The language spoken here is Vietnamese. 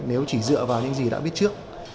nếu chỉ dựa vào những gì đã biết trước